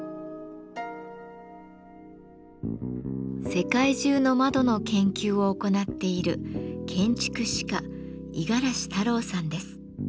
世界中の窓の研究を行っている建築史家五十嵐太郎さんです。